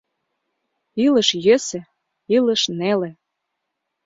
Илыш йӧсӧ, илыш неле